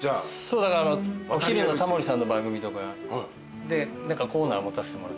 そうだからお昼のタモリさんの番組とかで何かコーナー持たせてもらったり。